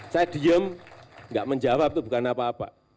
saya diem nggak menjawab itu bukan apa apa